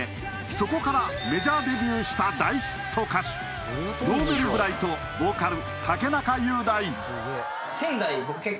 そこからメジャーデビューした大ヒット歌手Ｎｏｖｅｌｂｒｉｇｈｔヴォーカル